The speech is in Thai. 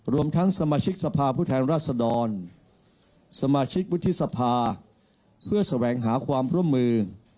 รวมทั้งสมาชิกสภาพุทธธรรมนุษย์ราชดรสมาชิกวุฒิษภาพมีส่วนร่วมอย่างสวังหาความร่วมมือ